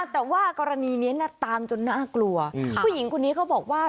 แต่ว่ากรณีนี้ตามจนน่ากลัวผู้หญิงคนนี้เขาบอกว่า